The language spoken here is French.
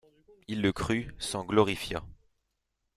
Il le crut, s'en glorifia.